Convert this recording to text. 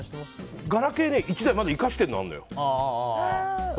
ガラケー、１台まだ生かしてるのあるのよ。